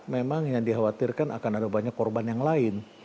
memang yang dikhawatirkan akan ada banyak korban yang lain